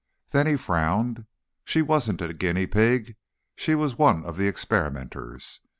Then he frowned. She wasn't a guinea pig. She was one off the experimenters.